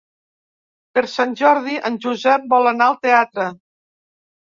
Per Sant Jordi en Josep vol anar al teatre.